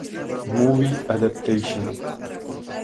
Movie Adaptation.